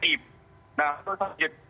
dengan kepentingan etik